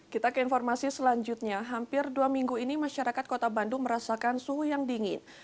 kita ke informasi selanjutnya hampir dua minggu ini masyarakat kota bandung merasakan suhu yang dingin